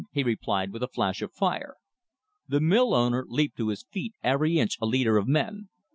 he replied with a flash of fire. The mill owner leaped to his feet every inch a leader of men.